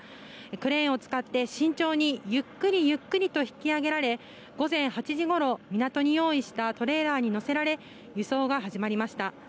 クレーンを使って慎重にゆっくりゆっくりと引き揚げられ午前８時ごろ、港に用意したトレーラーに載せられ輸送が始まりました。